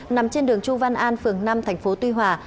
nằm trên đường chu văn an phường năm tp tuy hòa